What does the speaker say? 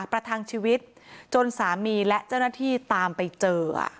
ประทังชีวิตจนสามีและเจ้าหน้าที่ตามไปเจอ